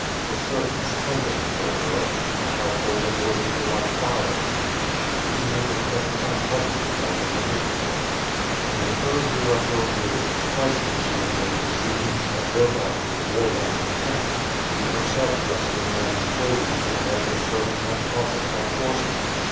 The servants trembled before her; the household avoided her like fire, and she even made her presence unpleasantly felt in the neighborhood. In 52 WITH FIRE AND SWORD. the third year of her rule, twice did she invade the Sivinsks at Brovark with warlike intent; she herself dressed in man's clothing, and led her servants and Cossacks on horseback.